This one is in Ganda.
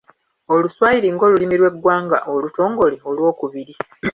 Oluswayiri ng'olulimi lw'eggwanga olutongole olwokubiri.